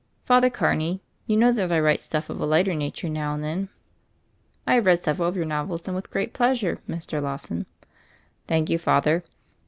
"Father Carney, you know that I write stuff of a lighter nature now and then ?" "I have read several of your novels — and with great pleasure, Mr. Lawson." "Thank you. Father.